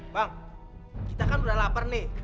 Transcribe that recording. bang kita kan udah lapar nih